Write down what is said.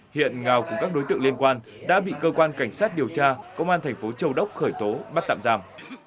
hiện ngào cùng các đối tượng liên quan đã bị cơ quan cảnh sát điều tra công an thành phố châu đốc khởi tố bắt tạm giam